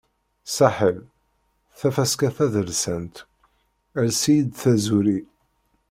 Saḥel, Tafaska tadelsant "Ales-iyi-d taẓuri".